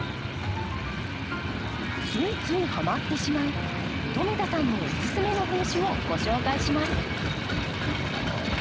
ついついハマってしまう富田さんのおすすめの品種をご紹介します。